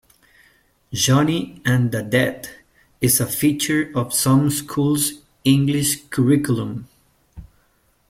"Johnny and the Dead" is a feature of some schools' English curriculum.